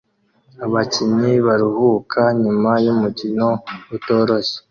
Abakinnyi baruhuka nyuma yumukino utoroshye